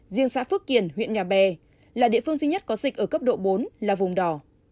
riêng xã phước kiển huyện nhà bè là địa phương duy nhất có dịch ở cấp độ bốn là vùng đỏ